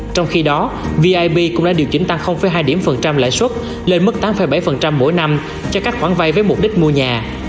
trong khi đó vib cũng đã điều chỉnh tăng hai lãi suất lên mức tám bảy mỗi năm cho các khoản vay với mục đích mua nhà